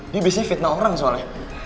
dia biasanya fitnah orang soalnya